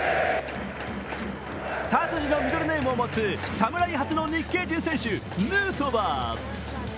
タツジのミドルネームを持つ侍初の日系人選手、ヌートバー。